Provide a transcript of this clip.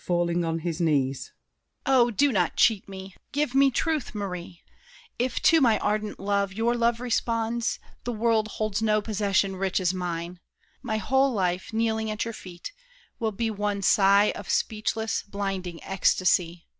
DIDIER (falling on his knees). Oh, do not cheat me! Give me truth, Marie! If to my ardent love your love responds, The world holds no possession rich as mine! My whole life, kneeling at your feet, will be One sigh of speechless, blinding ecstasy.